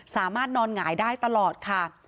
สามารถนอนหงายได้ตลอดค่ะ